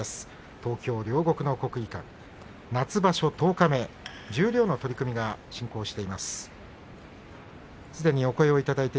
東京・両国の国技館夏場所十日目の土俵が進行しています。